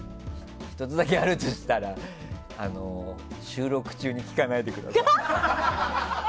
１つだけあるとしたら収録中に聞かないでください。